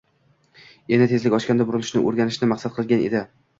endi tezlik oshganda burilishni o‘rganishni maqsad qilgan edi.